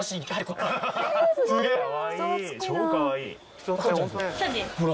超かわいいわ。